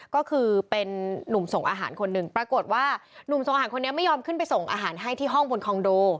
ก็คือเป็นนุ่มส่งอาหารคนหนึ่งปรากฏว่าหนุ่มส่งอาหารคนนี้ไม่ยอมขึ้นไปส่งอาหารให้ที่ห้องบนคอนโด